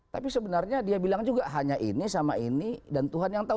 tapi sebenarnya dia bilang juga hanya ini sama ini dan tuhan yang tahu